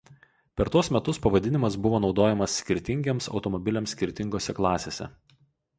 Per tuos metus pavadinimas buvo naudojamas skirtingiems automobiliams skirtingose klasėse.